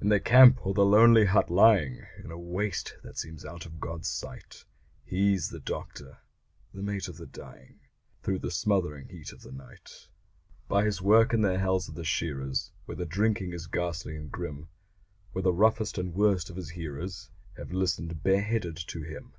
In the camp or the lonely hut lying In a waste that seems out of God's sight, He's the doctor the mate of the dying Through the smothering heat of the night. By his work in the hells of the shearers, Where the drinking is ghastly and grim, Where the roughest and worst of his hearers Have listened bareheaded to him.